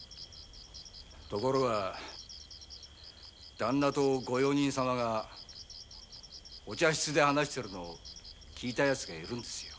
ところがだんなとご用人様がお茶室で話しているのを聞いたヤツがいるんですよ。